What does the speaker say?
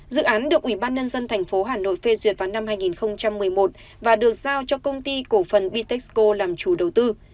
dự án được ủy ban nhân dân tp hà nội phê duyệt vào năm hai nghìn một mươi một và được giao cho công ty cổ phần bitexco làm chủ đầu tư